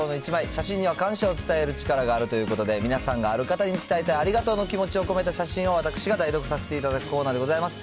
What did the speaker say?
写真には感謝を伝える力があるということで、皆さんが、ある方に伝えたいありがとうの気持ちを込めた写真を、私が代読させていただくコーナーでございます。